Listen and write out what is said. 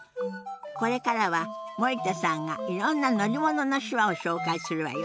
これからは森田さんがいろんな乗り物の手話を紹介するわよ。